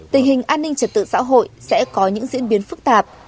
tình hình an ninh trật tự xã hội sẽ có những diễn biến phức tạp